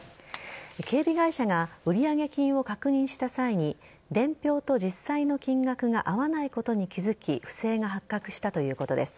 警備会社が売上金を確認した際に伝票と実際の金額が合わないことに気づき不正が発覚したということです。